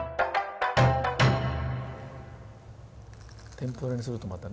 天ぷらにするとまたね。